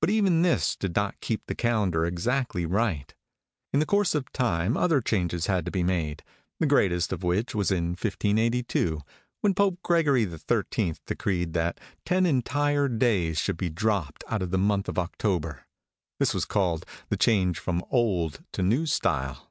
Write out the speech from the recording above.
But even this did not keep the calendar exactly right. In the course of time other changes had to be made, the greatest of which was in 1582, when Pope Gregory XIII. decreed that ten entire days should be dropped out of the month of October. This was called the change from Old to New Style."